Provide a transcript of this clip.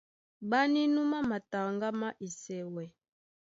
Ɓá nínúmá mataŋgá má Esɛwɛ.